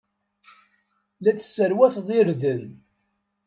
La tesserwateḍ irden.